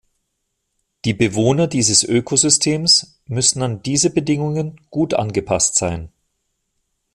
Die Bewohner dieses Ökosystems müssen an diese Bedingungen gut angepasst sein.